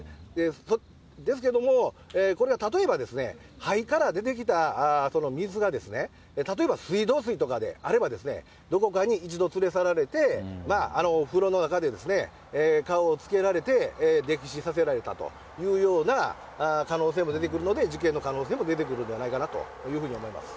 ですけども、これが例えばですね、肺から出てきた水が、例えば水道水とかであれば、どこかに一度連れ去られて、風呂の中で顔をつけられて、溺死させられたというような可能性も出てくるので、事件の可能性も出てくるんではないかなと思います。